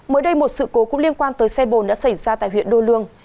mới đây một sự cố cũng liên quan tới xe bồn đã xảy ra tại huyện đô lương